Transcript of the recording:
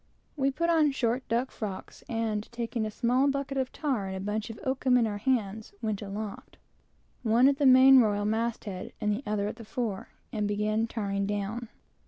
We put on short duck frocks, and taking a small bucket of tar and a bunch of oakum in our hands we went aloft, one at the main royal mast head and the other at the fore, and began tarring down.